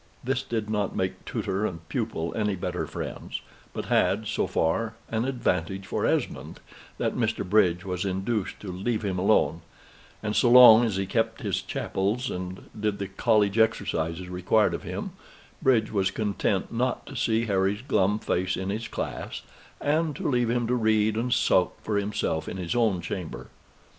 This did not make tutor and pupil any better friends; but had, so far, an advantage for Esmond, that Mr. Bridge was induced to leave him alone; and so long as he kept his chapels, and did the college exercises required of him, Bridge was content not to see Harry's glum face in his class, and to leave him to read and sulk for himself in his own chamber.